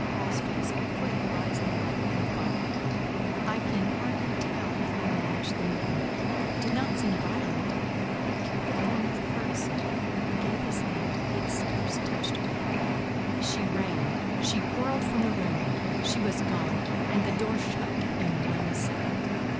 Paul's face a quick rising light and fire; I can hardly tell how he managed the movement; it did not seem violent; it kept the form of courtesy; he gave his hand; it scarce touched her I thought; she ran, she whirled from the room; she was gone, and the door shut, in one second.